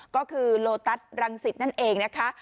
ก็คือโลตัสรังสิตนั่นเองนะคะ